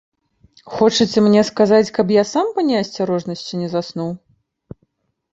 Хочаце мне сказаць, каб я сам па неасцярожнасці не заснуў?